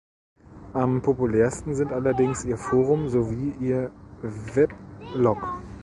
Am populärsten sind allerdings ihr Forum sowie ihr Weblog.